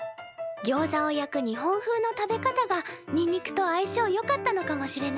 ギョウザを焼く日本風の食べ方がにんにくとあいしょうよかったのかもしれないね。